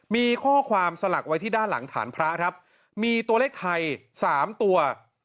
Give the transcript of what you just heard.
มีข้อความสลักไว้ที่ด้านหลังฐานพระครับมีตัวเลขไทยสามตัว